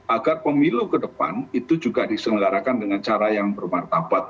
agar pemilu ke depan itu juga diselenggarakan dengan cara yang bermartabat